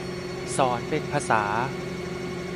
สอนเป็นภาษา